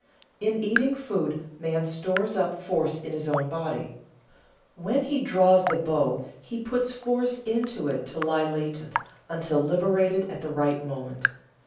_ In eating food man stores up force in his own body. When he draws the bow he puts force into it to lie latent until liberated at the right moment.